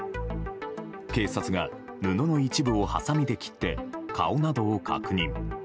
警察が布の一部をはさみで切って顔などを確認。